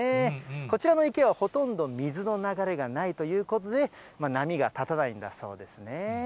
こちらの池はほとんど水の流れがないということで、波が立たないんだそうですね。